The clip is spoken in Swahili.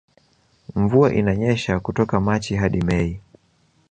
Mvua inanyesha kutoka machi hadi mei